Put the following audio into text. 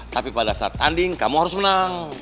tapi pada saat tanding kamu harus menang